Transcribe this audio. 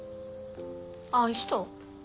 あん人？